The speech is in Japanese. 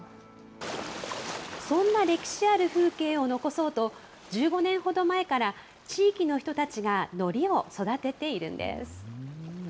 そんな歴史ある風景を残そうと、１５年ほど前から地域の人たちがのりを育てているんです。